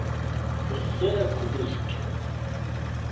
Ass-a akked wazekka.